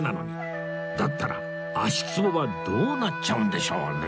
だったら足ツボはどうなっちゃうんでしょうね